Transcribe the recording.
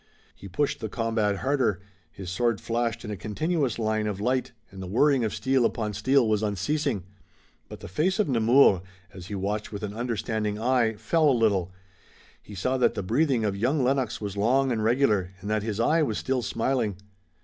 He pushed the combat harder. His sword flashed in a continuous line of light, and the whirring of steel upon steel was unceasing. But the face of Nemours, as he watched with an understanding eye, fell a little. He saw that the breathing of young Lennox was long and regular, and that his eye was still smiling.